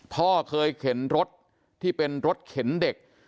พ่อเคยเข็นรถที่เป็นรถเข็นเด็ก